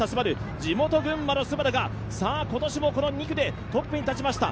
地元・群馬のＳＵＢＡＲＵが今年も２区でトップに立ちました。